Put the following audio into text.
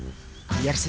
biar sejarah bisa berjalan